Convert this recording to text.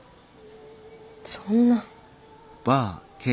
そんな。